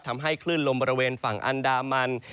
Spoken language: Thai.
ทำให้คลื่นลมบริเวณฝั่งอันดามัน